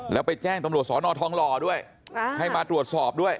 แล้วไปแจ้งตำรวจสอนอทองหล่อด้วยให้มาตรวจสอบด้วย